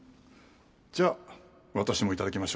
じゃあ私もいただきましょう